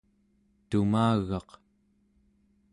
tumagaq